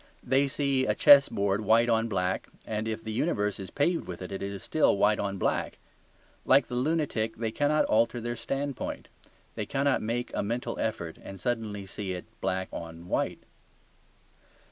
They see a chess board white on black, and if the universe is paved with it, it is still white on black. Like the lunatic, they cannot alter their standpoint; they cannot make a mental effort and suddenly see it black on white.